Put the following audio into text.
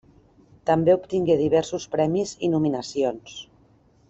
També obtingué diversos premis i nominacions.